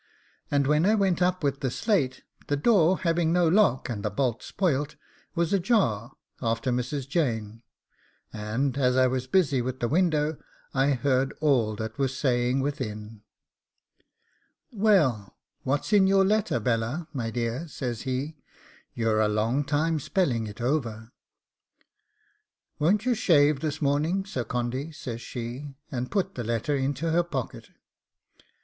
And when I went up with the slate, the door having no lock, and the bolt spoilt, was ajar after Mrs. Jane, and, as I was busy with the window, I heard all that was saying within. 'Well, what's in your letter, Bella, my dear?' says he: 'you're a long time spelling it over.' 'Won't you shave this morning, Sir Condy?' says she, and put the letter into her pocket.